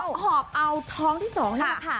เขาหอบเอาท้องที่๒แล้วค่ะ